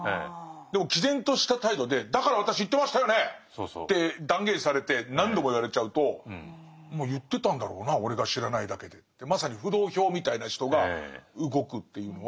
でも毅然とした態度で「だから私言ってましたよね」って断言されて何度も言われちゃうと「まあ言ってたんだろうな俺が知らないだけで」ってまさに浮動票みたいな人が動くというのは何か分かる。